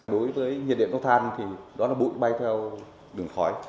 đối với nhiệt điện có than thì đó là bụi bay theo đường khói